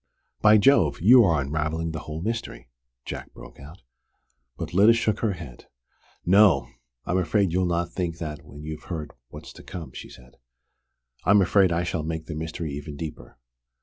"By Jove, you are unravelling the whole mystery!" Jack broke out. But Lyda shook her head. "No! I'm afraid you'll not think that when you've heard what's to come," she said. "I'm afraid I shall make the mystery even deeper.